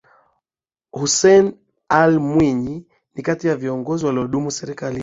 Hussein Ali Mwinyi ni kati ya viongozi waliodumu serikalini